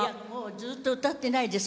ずっと歌ってないです。